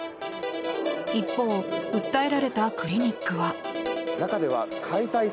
一方、訴えられたクリニックは。